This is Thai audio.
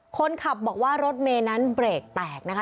คนขับบอกว่ารถเมย์นั้นเบรกแตกนะคะ